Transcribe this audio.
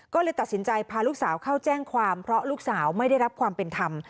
ก็เลยตัดสินใจพาลูกสาวเข้าแจ้งความเพราะลูกสาวไม่ได้รับความเป็นธรรม